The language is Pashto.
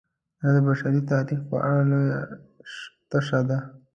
دا د بشري تاریخ په اړه لویه تشه ده.